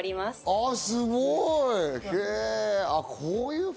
すごい！